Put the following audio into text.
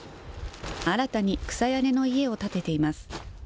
新たに草屋根の家を建てています。